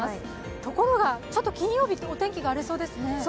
ところが、ちょっと金曜日お天気が荒れそうですね。